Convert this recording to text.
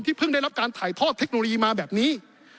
เพิ่งได้รับการถ่ายทอดเทคโนโลยีมาแบบนี้